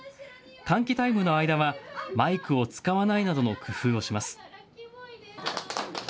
換気タイムの間はマイクを使わないなどの工夫をします。